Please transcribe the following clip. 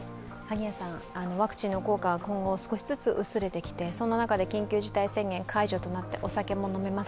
ワクチンの効果は今後少しずつ薄れてきてそんな中で緊急事態宣言は解除となってお酒も飲めます